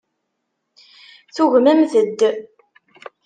Tugmemt-d.